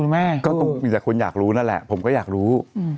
แม่จะคุณอย่างรู้นั่นแหละผมก็อยากรู้